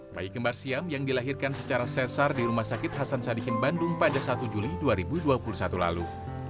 bayi kembar siam yang dilahirkan secara sesar di rumah sakit hasan sadikin bandung pada satu juli dua ribu dua puluh satu lalu